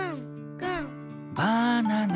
「バナナ！」